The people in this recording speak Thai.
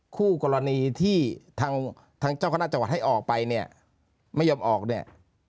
คู่กรณีที่ทางทางเจ้าคณะจังหวัดให้ออกไปเนี่ยไม่ยอมออกเนี่ย